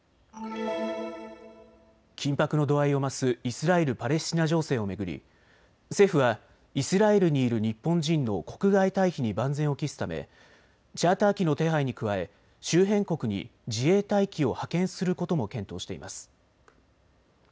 緊迫の度合いを増すイスラエル・パレスチナ情勢を巡り政府はイスラエルにいる日本人の国外退避に万全を期すためチャーター機の手配に加え周辺国に自衛隊機を派遣することも検討しています。